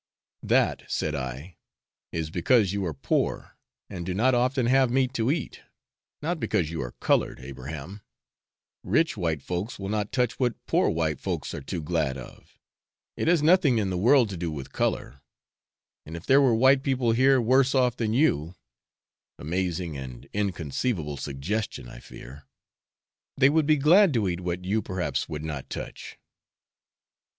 'That,' said I, 'is because you are poor, and do not often have meat to eat, not because you are coloured, Abraham; rich white folks will not touch what poor white folks are too glad of; it has nothing in the world to do with colour, and if there were white people here worse off than you (amazing and inconceivable suggestion, I fear), they would be glad to eat what you perhaps would not touch.'